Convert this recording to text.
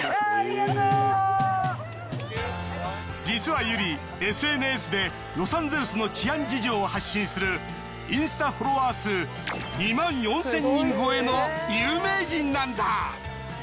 実はＹＵＲＩＳＮＳでロサンゼルスの治安事情を発信するインスタフォロワー数２万４，０００人超えの有名人なんだ。